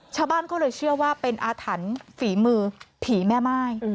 ชาวบ้านก็เลยเชื่อว่าเป็นอาถรรพ์ฝีมือผีแม่ม่าย